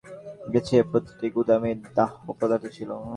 কর্মকর্তাদের সঙ্গে কথা বলে জানা গেছে, প্রতিটি গুদামেই দাহ্য পদার্থ ছিল।